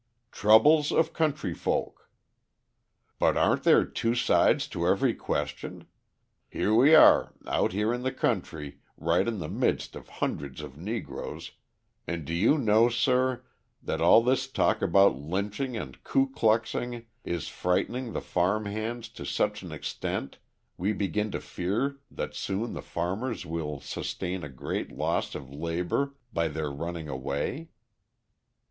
TROUBLES OF COUNTRY FOLK But aren't there two sides to every question? Here we are out here in the country, right in the midst of hundreds of Negroes, and do you know, sir, that all this talk about lynching and ku kluxing is frightening the farm hands to such an extent we begin to fear that soon the farmers will sustain a great loss of labour, by their running away?